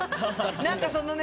何かそのね